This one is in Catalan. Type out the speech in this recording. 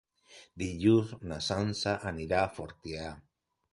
Dilluns na Sança anirà a Fortià.